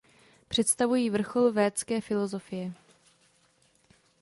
Představují vrchol védské filosofie.